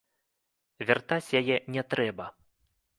Вяртаць яе не трэба.